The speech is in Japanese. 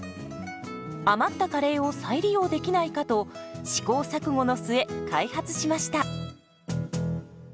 余ったカレーを再利用できないかと試行錯誤の末開発しました。